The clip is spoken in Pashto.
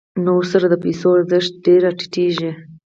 نو ورسره د پیسو ارزښت ډېر راټیټېږي